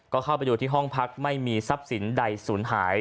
ก็เข้าไปดูที่ห้องพักไม่มีทรัพย์สินใดศูนย์หาย